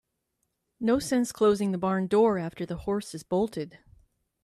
No sense closing the barn door after the horse has bolted.